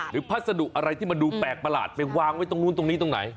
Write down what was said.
พัสดุอะไรที่มันดูแปลกประหลาดไปวางไว้ตรงนู้นตรงนี้ตรงไหน